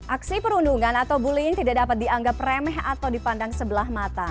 aksi perundungan atau bullying tidak dapat dianggap remeh atau dipandang sebelah mata